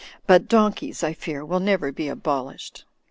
But donkeys, I fear, will never be abolished.